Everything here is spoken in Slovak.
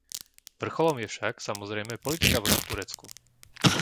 Vrcholom je však, samozrejme, politika voči Turecku.